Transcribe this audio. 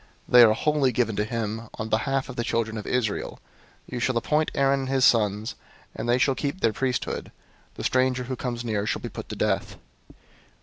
They are wholly given to him on the behalf of the children of Israel. 003:010 You shall appoint Aaron and his sons, and they shall keep their priesthood. The stranger who comes near shall be put to death."